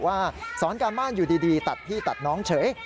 ว่าสอนการบ้านอยู่ดีตัดพี่ตัดน้องเฉย